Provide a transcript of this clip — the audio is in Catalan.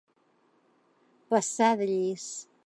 Passar de llis.